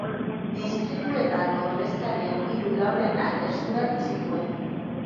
Distrituetako ordezkarien hiru laurdenak eskuratu zituen.